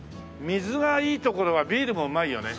水がいい所はビールもうまいよね。